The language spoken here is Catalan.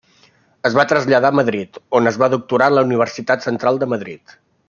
Es va traslladar a Madrid, on es va doctorar en la Universitat Central de Madrid.